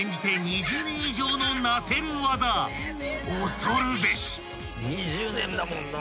［恐るべし］